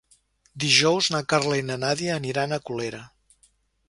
Dijous na Carla i na Nàdia aniran a Colera.